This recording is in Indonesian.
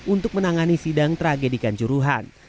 untuk menangani sidang tragedikan juruhan